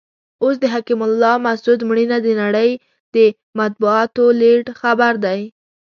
اوس د حکیم الله مسود مړینه د نړۍ د مطبوعاتو لیډ خبر دی.